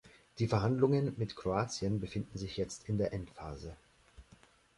Die Verhandlungen mit Kroatien befinden sich jetzt in der Endphase.